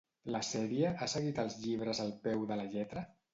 La sèrie ha seguit els llibres al peu de la lletra?